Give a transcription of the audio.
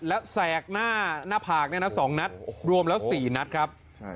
และแกฉากหน้าผาก๒นัทรวมแล้ว๔นัทครับ